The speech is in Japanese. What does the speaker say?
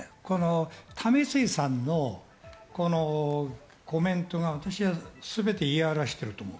為末さんのコメントが私は全て言い表していると思う。